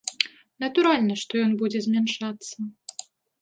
Натуральна, што ён будзе змяншацца.